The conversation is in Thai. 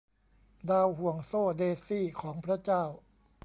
ดาวห่วงโซ่เดซี่ของพระเจ้า